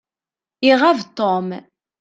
Iɣab Tom.